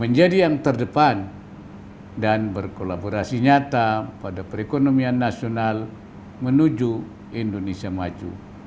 menjadi yang terdepan dan berkolaborasi nyata pada perekonomian nasional menuju indonesia maju